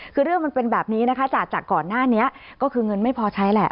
คือเรื่องมันเป็นแบบนี้นะคะจากก่อนหน้านี้ก็คือเงินไม่พอใช้แหละ